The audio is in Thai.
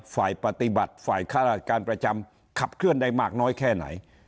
ฝ่ายปฏิบัติฝ่ายค่าราชการประจำขับเคลื่อนได้มากน้อยแค่ไหน